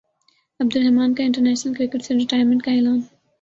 عبدالرحمن کا international cricket سے retirement کا اعلان